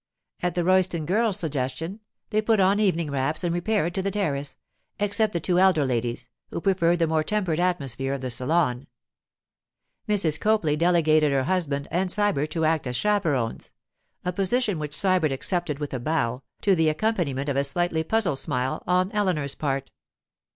At the Royston girls' suggestion, they put on evening wraps and repaired to the terrace—except the two elder ladies, who preferred the more tempered atmosphere of the salon. Mrs. Copley delegated her husband and Sybert to act as chaperons—a position which Sybert accepted with a bow, to the accompaniment of a slightly puzzled smile on Eleanor's part.